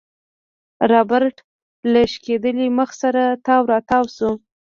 رابرټ له شکېدلي مخ سره تاو راتاو شو.